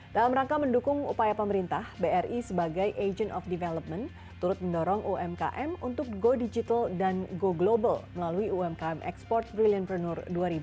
dalam rangka mendukung upaya pemerintah bri sebagai agent of development turut mendorong umkm untuk go digital dan go global melalui umkm export brilliantpreneur dua ribu dua puluh